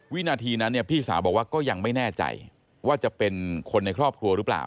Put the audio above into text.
วินาทีนั้นเนี่ยพี่สาวบอกว่าก็ยังไม่แน่ใจว่าจะเป็นคนในครอบครัวหรือเปล่า